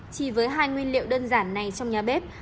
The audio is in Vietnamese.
chỉ với hai nguyên liệu đơn giản này trong nhà bếp